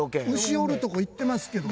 牛おるとこ行ってますけど。